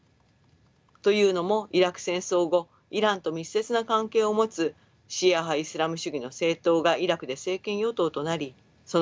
というのもイラク戦争後イランと密接な関係を持つシーア派イスラム主義の政党がイラクで政権与党となりその結果